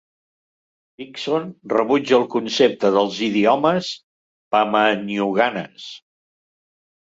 Dixon rebutja el concepte dels idiomes pama-nyunganes.